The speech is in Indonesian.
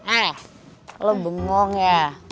eh lo bengong ya